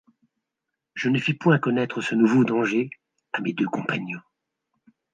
Je ne fis point connaître ce nouveau danger à mes deux compagnons.